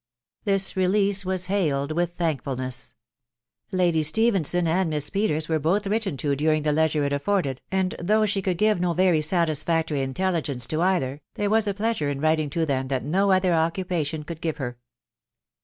This release was hailed with thankfulness. .•• Lady Ste phenson and Miss Peters were both written to during the lei sure it afforded, and though she could give no very satisfac tory intelligence to either, there was a pleasure in writing to them that no other occupation could give her.